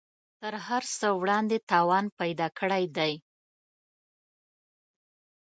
تر هر څه وړاندې توان پیدا کړی دی